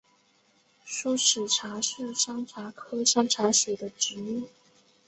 疏齿茶是山茶科山茶属的植物。